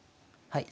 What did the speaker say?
はい。